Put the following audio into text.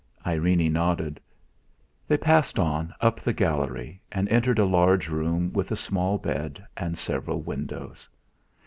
Irene nodded. They passed on, up the gallery and entered a large room with a small bed, and several windows.